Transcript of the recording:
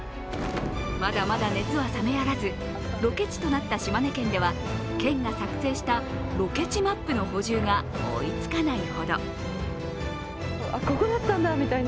まだまだ熱は冷めやらず、ロケ地となった島根県では、県が作成したロケ地ＭＡＰの補充が追いつかないほど。